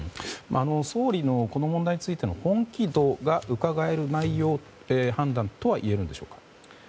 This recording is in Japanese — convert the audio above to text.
総理のこの問題についての本気度がうかがえる内容判断とはいえるでしょうか。